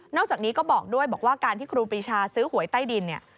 จากนี้ก็บอกด้วยบอกว่าการที่ครูปีชาซื้อหวยใต้ดินเนี่ย